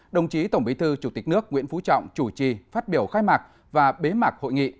đồng chí tổng bí thư chủ tịch nước nguyễn phú trọng chủ trì phát biểu khai mạc và bế mạc hội nghị